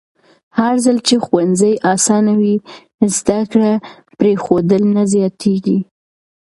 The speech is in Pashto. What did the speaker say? هرځل چې ښوونځي اسانه وي، زده کړه پرېښودل نه زیاتېږي.